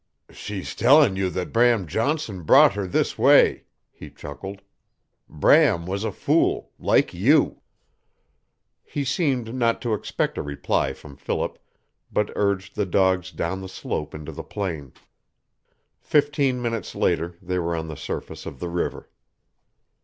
"She's tellin' you that Bram Johnson brought her this way," he chuckled. "Bram was a fool like you!" He seemed not to expect a reply from Philip, but urged the dogs down the slope into the plain. Fifteen minutes later they were on the surface of the river.